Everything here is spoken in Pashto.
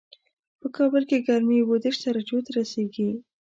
په کابل کې ګرمي اووه دېش درجو ته رسېږي